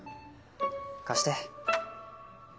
貸して。